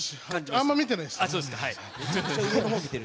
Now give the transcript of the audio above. あんま見てないです。